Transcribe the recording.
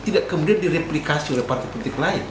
tidak kemudian direplikasi oleh partai politik lain